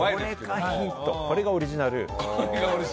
これがオリジナル。